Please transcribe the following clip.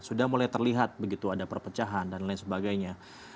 sudah mulai terlihat begitu ada perpecahan dan lain sebagainya